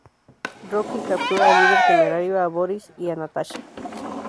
Rocky captura a Líder Temerario, a Boris y Natasha.